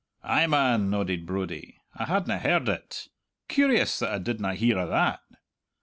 "Ay, man," nodded Brodie. "I hadna heard o't. Curious that I didna hear o' that!"